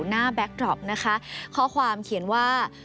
แบ็คดรอปนะคะข้อความเขียนว่า